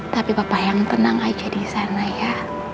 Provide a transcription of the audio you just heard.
tapi bapak yang tenang aja di sana ya